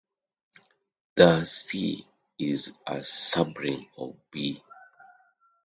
Thus, "C" is a subring of "B".